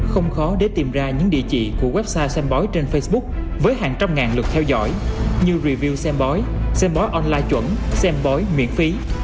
không khó để tìm ra những địa chỉ của website xem bói trên facebook với hàng trăm ngàn lượt theo dõi như review xem bói xem bói online chuẩn xem bói miễn phí